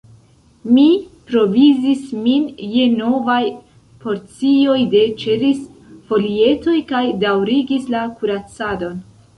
Mi provizis min je novaj porcioj de ĉeriz-folietoj kaj daŭrigis la kuracadon.